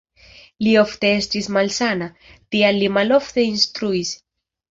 Li ofte estis malsana, tial li malofte instruis.